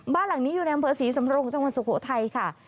บ้านหลังนี้อยู่ในอำเภอศรีสำรงจังหวัดสุโขทัยค่ะ